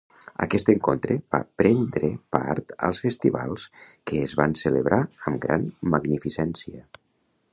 En aquest encontre va prendre part als festivals que es van celebrar amb gran magnificència.